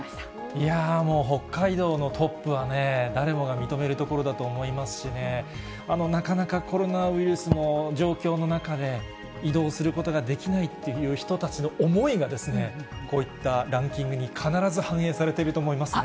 いやー、もう北海道のトップはね、誰もが認めるところだと思いますしね、なかなかコロナウイルスの状況の中で、移動することができないという人たちの思いが、こういったランキングに必ず反映されていると思いますね。